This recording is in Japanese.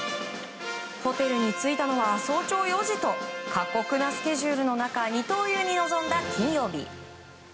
ホテルに着いたのは早朝４時と過酷なスケジュールの中二刀流に臨んだ金曜日。